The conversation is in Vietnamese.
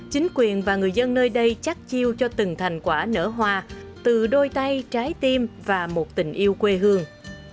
chính quyền và người dân nơi đây chắc chiêu cho từng thành quả nở hoa từ đôi tay trái tim và một tình yêu quê hương